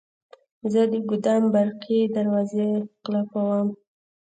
زه د ګودام برقي دروازې قلفووم.